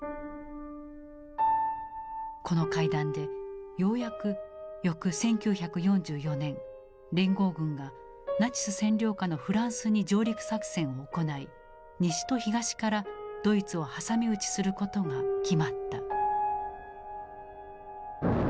この会談でようやく翌１９４４年連合軍がナチス占領下のフランスに上陸作戦を行い西と東からドイツを挟み撃ちすることが決まった。